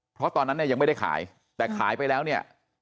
เพราะตอนนั้นเนี่ยยังไม่ได้ขายแต่ขายไปแล้วเนี่ย